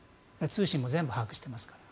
通信も全部把握していますから。